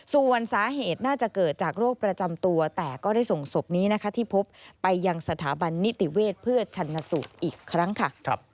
ส่วนสาเหตุน่าจะเกิดจากโรคประจำตัวแต่ก็ได้ส่งศพนี้นะคะที่พบไปยังสถาบันนิติเวชเพื่อชันสูตรอีกครั้งค่ะ